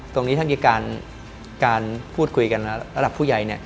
ตรงนี้ถ้ามีการพูดคุยกันระดับผู้ใหญ่